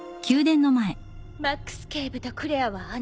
マックス警部とクレアはあの中。